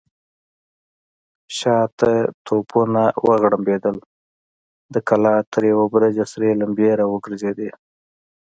شاته توپونه وغړمبېدل، د کلا تر يوه برج سرې لمبې را وګرځېدې.